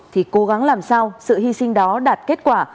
thì cố gắng làm sao sự hy sinh đó đạt kết quả